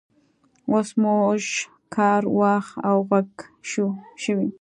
اوس موږ کار واښ او غوزی شو.